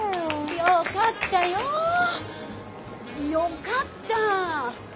よかったよ！